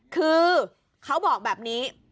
คือเขาบอกแบบนี้